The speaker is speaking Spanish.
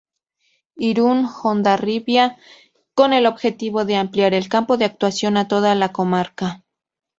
Irun-Hondarribia" con el objetivo de ampliar el campo de actuación a toda la comarca.